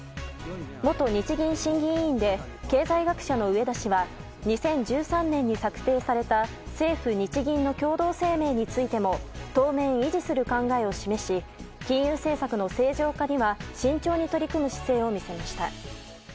元日銀審議員で経済学者の植田氏は２０１３年に策定された政府・日銀の共同声明についても当面維持する考えを示し金融緩和策の正常化には慎重に取り組む姿勢を見せました。